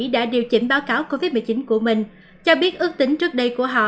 đã điều chỉnh báo cáo covid một mươi chín của mình cho biết ước tính trước đây của họ